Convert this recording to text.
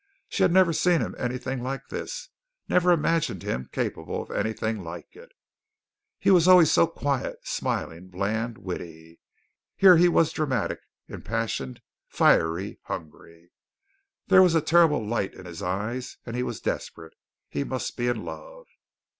She had never seen him anything like this never imagined him capable of anything like it. He was always so quiet, smiling, bland, witty. Here he was dramatic, impassioned, fiery, hungry. There was a terrible light in his eyes and he was desperate. He must be in love.